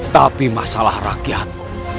tapi masalah rakyat